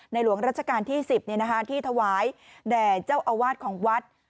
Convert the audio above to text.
หลวงราชการที่๑๐ที่ถวายแด่เจ้าอาวาสของวัด